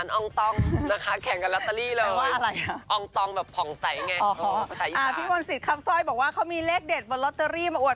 หง่าวานอ้องต้องแข่งกันลอตเตอรี่เลย